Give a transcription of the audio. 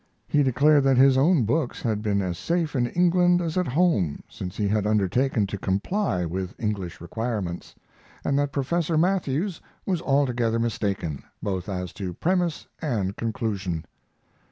He declared that his own books had been as safe in England as at home since he had undertaken to comply with English requirements, and that Professor Matthews was altogether mistaken, both as to premise and conclusion.